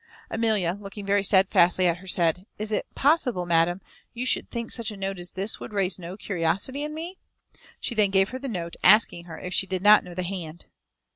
Amelia, looking very steadfastly at her, said, "Is it possible, madam, you should think such a note as this would raise no curiosity in me?" She then gave her the note, asking her if she did not know the hand.